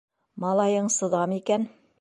- Малайың сыҙам икән.